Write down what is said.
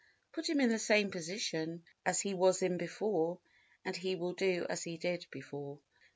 Put him in the same position as he was in before and he will do as he did before.